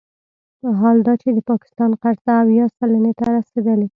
حال دا چې د پاکستان قرضه اویا سلنې ته رسیدلې